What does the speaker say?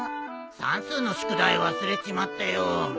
算数の宿題忘れちまってよ。